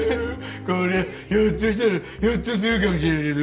こりゃひょっとしたらひょっとするかもしれないぞ。